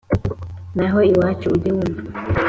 naho iwacu ujye wumva